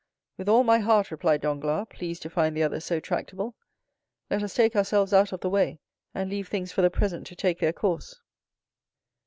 "With all my heart!" replied Danglars, pleased to find the other so tractable. "Let us take ourselves out of the way, and leave things for the present to take their course."